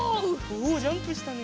おおジャンプしたね。